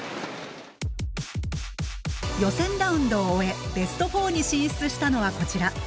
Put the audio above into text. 予選ラウンドを終えベスト４に進出したのはこちら。